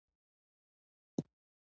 د قلم ټولنې کار ځای ته ولاړو.